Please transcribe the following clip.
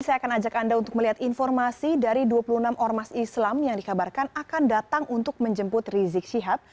saya akan ajak anda untuk melihat informasi dari dua puluh enam ormas islam yang dikabarkan akan datang untuk menjemput rizik syihab